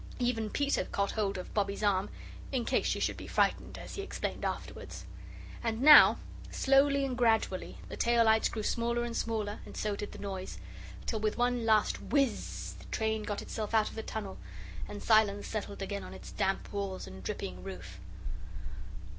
Even Peter caught hold of Bobbie's arm, "in case she should be frightened," as he explained afterwards. And now, slowly and gradually, the tail lights grew smaller and smaller, and so did the noise, till with one last WHIZ the train got itself out of the tunnel, and silence settled again on its damp walls and dripping roof.